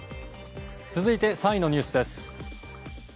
続いて３位のニュースです。